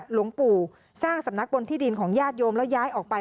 หลวงปู่สร้างสำนักบนที่ดินของญาติโยมแล้วย้ายออกไป